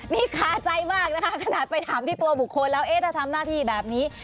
นี่คาใจมากนะคะขนาดไปถามที่ตัวบุคคลแล้วเอ๊ะถ้าทำหน้าที่แบบนี้